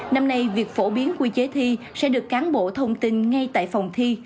năm nay việc phổ biến quy chế thi sẽ được cán bộ thông tin ngay tại phòng thi